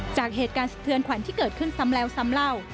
จากเหตุการณ์สะเทือนขวัญที่เกิดขึ้นซ้ำแล้วซ้ำเล่า